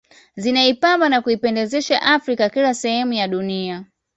Zinaipamba na kuipendezesha Afrika kila sehemu ya dunia